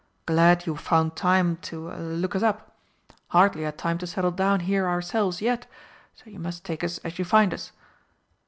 "Glad you found time to er look us up. Hardly had time to settle down here ourselves yet so you must take us as you find us."